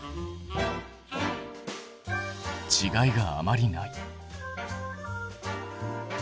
ちがいがあまりない。